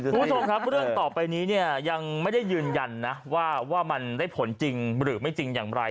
คุณผู้ชมครับเรื่องต่อไปนี้เนี่ยยังไม่ได้ยืนยันนะว่ามันได้ผลจริงหรือไม่จริงอย่างไร